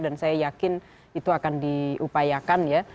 dan saya yakin itu akan diupayakan ya